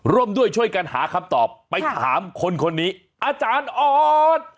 ร่วมด้วยช่วยกันหาคำตอบไปถามคนนี้อาจารย์ออส